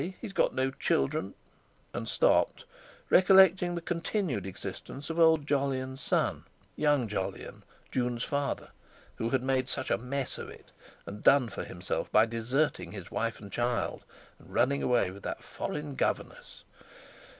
He's got no children"—and stopped, recollecting the continued existence of old Jolyon's son, young Jolyon, Jun's father, who had made such a mess of it, and done for himself by deserting his wife and child and running away with that foreign governess.